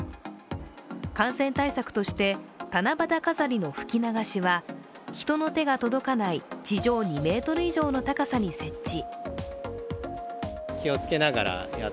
感染対策として、七夕飾りの吹き流しは人の手が届かない地上２ｍ以上の高さに設置。